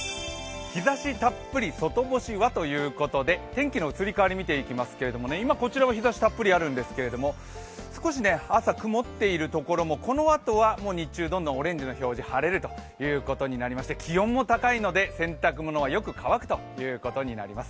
日ざしたっぷり外干しは？ということで天気の移り変わりを見ていきますけれども今、こちらは日ざしたっぷりあるんですけども少し朝、曇っているところもこのあとは日中、どんどんオレンジの表示晴れるということになりまして気温も高いので洗濯物はよく乾くということになります。